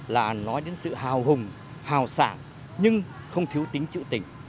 là nói đến sự hào hùng hào sảng nhưng không thiếu tính trữ tình